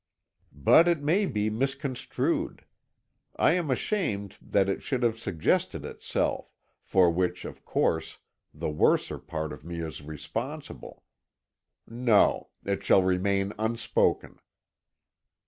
"But it may be misconstrued. I am ashamed that it should have suggested itself for which, of course, the worser part of me is responsible. No it shall remain unspoken."